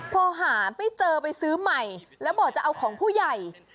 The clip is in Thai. พอหาไม่เจอไปซื้อใหม่แล้วบอกจะเอาของผู้ใหญ่